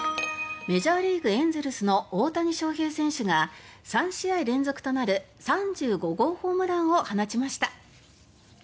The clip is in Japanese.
メジャーリーグエンゼルスの大谷翔平選手が３試合連続となる３５号ホームランを放ちました。